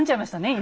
今。